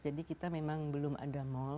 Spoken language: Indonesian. jadi kita memang belum ada mall